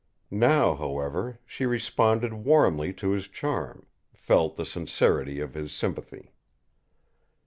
Now, however, she responded warmly to his charm, felt the sincerity of his sympathy.